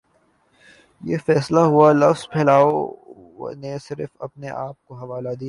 یہ فیصلہ ہوا لفظ پھیلاؤ نے صرف اپنے آپ کا حوالہ دیا